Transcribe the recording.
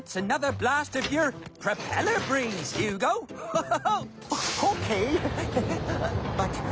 ハハハ！